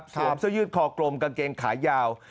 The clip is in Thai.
เสื้อยืดคอกลมกางเกงขายาว